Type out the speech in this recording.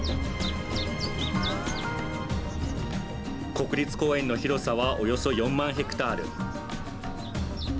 国立公園の広さはおよそ４万ヘクタール。